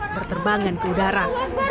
berterbangan ke udara